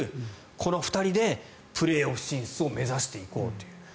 この２人でプレーオフ進出を目指していこうという。